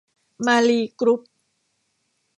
มาลีกรุ๊ป